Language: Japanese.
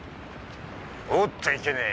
おっといけねぇ！